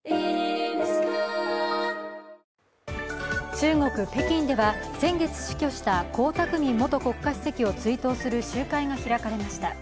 中国北京では先月、死去した江沢民元国家主席を追悼する集会が開かれました。